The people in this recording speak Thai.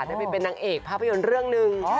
ได้ไปเป็นนางเอกภาพยนตร์เรื่องหนึ่ง